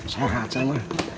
sehat saya sumpah